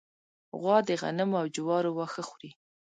غوا د غنمو او جوارو واښه خوري.